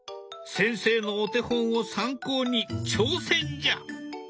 先生のお手本を参考に挑戦じゃ！